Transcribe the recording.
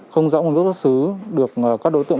không rõ nguồn gốc xuất xứ được các đối tượng